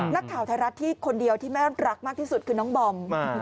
นักข่าวไทยรัฐที่คนเดียวที่แม่รักมากที่สุดคือน้องบอม